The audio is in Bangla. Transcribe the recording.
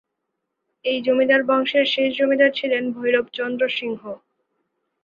এই জমিদার বংশের শেষ জমিদার ছিলেন ভৈরব চন্দ্র সিংহ।